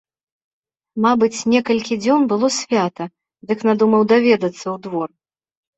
Мабыць, некалькі дзён было свята, дык надумаў даведацца ў двор.